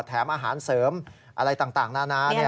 แถมอาหารเสริมอะไรต่างนานา